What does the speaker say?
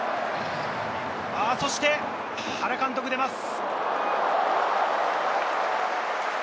そして原監督、出ます。